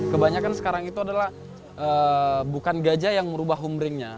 kebanyakan sekarang itu adalah bukan gajah yang merubah humbringnya